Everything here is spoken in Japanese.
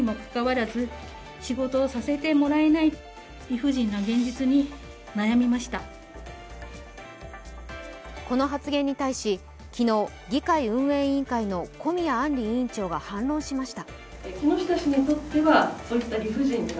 都議会に対しこの発言に対し、昨日、議会運営委員会の小宮あんり委員長が反論しました。